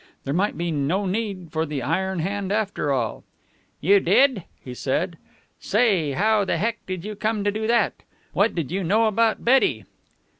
There might be no need for the iron hand after all. "You did?" he said. "Say, how the Heck did you come to do that? What did you know about Betty?"